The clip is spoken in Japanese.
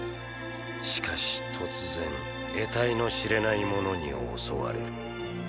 しかし突然えたいのしれないものに襲われる。